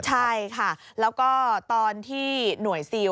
ใช่ค่ะแล้วก็ตอนที่หน่วยซิล